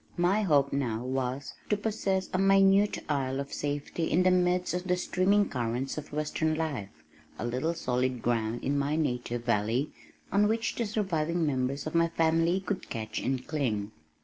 My hope now was to possess a minute isle of safety in the midst of the streaming currents of western life a little solid ground in my native valley on which the surviving members of my family could catch and cling.